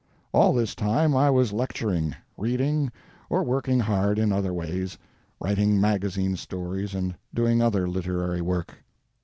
All this time I was lecturing, reading, or working hard in other ways, writing magazine stories and doing other literary work.